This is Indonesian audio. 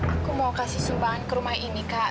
aku mau kasih sumbangan ke rumah ini kak